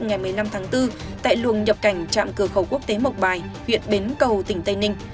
ngày một mươi năm tháng bốn tại luồng nhập cảnh trạm cửa khẩu quốc tế mộc bài huyện bến cầu tỉnh tây ninh